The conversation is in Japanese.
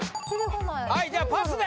はいじゃあパスで！